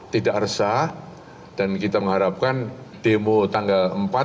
tidak resah dan kita mengharapkan demo tanggal empat